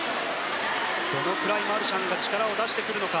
どのくらいマルシャンが力を出してくるのか。